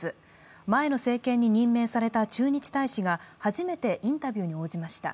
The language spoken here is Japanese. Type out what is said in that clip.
前の政権に任命された駐日大使が初めてインタビューに応じました。